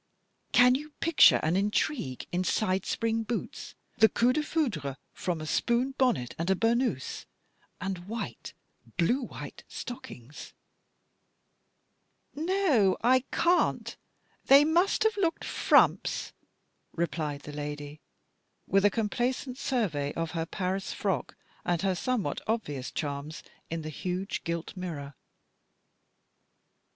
" Can you picture an intrigue in side spring boots, the coup defoucbre from a spoon bonnet and a burnous, and white, blue white stockings ?" "No, I can't. They must have looked frumps," replied the lady, with a complacent survey of her Paris frock and her somewhat obvious charms in the huge gilt mirror.